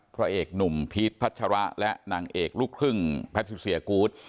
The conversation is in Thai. พระเอกหนุ่มพีชพัชระและนางเอกลูกครึ่งแพทิเซียกูธ